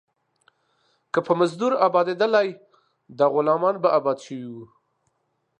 که په مزدور ابآتيدلاى ، ده غلامان به ابات سوي واى.